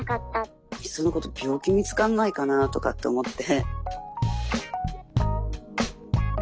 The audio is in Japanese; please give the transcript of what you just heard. いっそのこと病気見つかんないかなとかって思って。